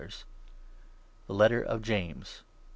THE LETTER OF JAMES.